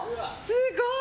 すごい！